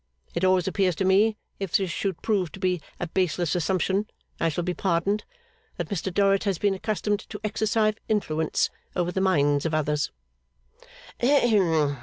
It always appears to me (if this should prove to be a baseless assumption, I shall be pardoned), that Mr Dorrit has been accustomed to exercise influence over the minds of others.